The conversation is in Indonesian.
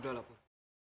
udah lah bud